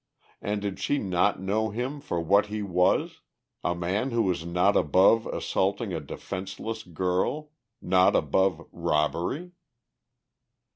And did she not know him for what he was, a man who was not above assaulting a defenceless girl, not above robbery?